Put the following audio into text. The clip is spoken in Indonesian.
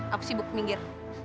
aku sibuk keminggir